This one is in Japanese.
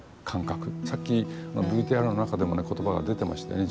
さっきのＶＴＲの中でも言葉が出てましたよね